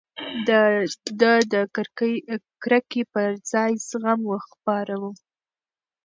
ده د کرکې پر ځای زغم خپراوه.